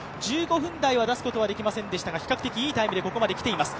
１５分台を出すことはできませんでしたが、比較的いいタイムでここまで来ています。